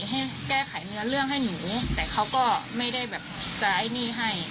ให้แก้ไขเนื้อเรื่องให้หนูแต่เขาก็ไม่ได้แบบจะไอ้หนี้ให้